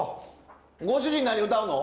ご主人何歌うの？